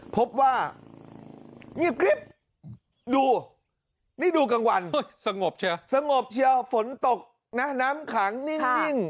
พบว่าดูนี่ดูกลางวันสงบเชียวสงบเชียวฝนตกนะน้ำขังนิ่งนิ่ง